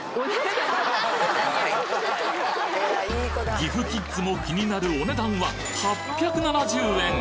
岐阜キッズも気になるお値段は８７０円！